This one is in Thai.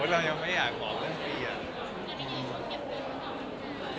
เรายังไม่อยากบอกเรื่องพี่อะ